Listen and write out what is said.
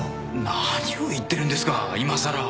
何を言ってるんですかいまさら